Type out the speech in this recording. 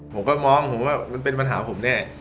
ผมก็มองผมว่ามันเป็นปัญหาของผมแน่